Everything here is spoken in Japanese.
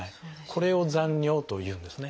これを残尿というんですね。